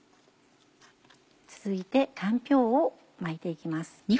続いてかんぴょうを巻いて行きます。